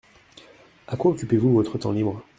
À quoi occupez-vous votre temps libre ?